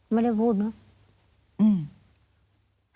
ไม่ได้พูดเนอะ